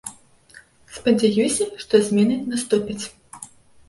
Спадзяюся, што змены наступяць.